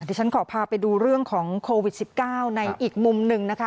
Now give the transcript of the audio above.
ที่ฉันขอพาไปดูเรื่องของโควิด๑๙ในอีกมุมหนึ่งนะคะ